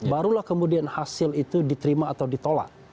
barulah kemudian hasil itu diterima atau ditolak